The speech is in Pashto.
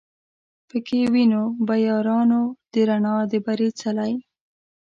پکښی وینو به یارانو د رڼا د بري څلی